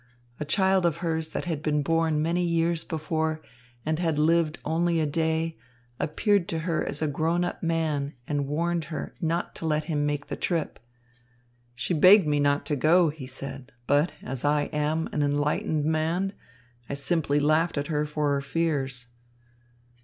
A child of hers that had been born many years before and had lived only a day, appeared to her as a grown up man and warned her not to let him make the trip. "She begged me not to go," he said, "but, as I am an enlightened man, I simply laughed at her for her fears."